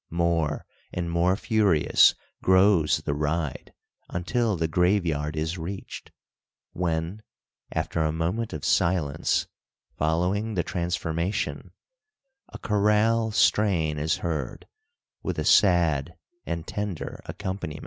More and more furious grows the ride until the graveyard is reached, when, after a moment of silence following the transformation, a chorale strain is heard, with a sad and tender accompaniment.